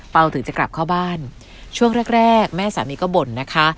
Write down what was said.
ถึงจะกลับเข้าบ้านช่วงแรกแรกแม่สามีก็บ่นนะคะ